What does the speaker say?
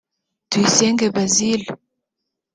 Tuyisenge Basile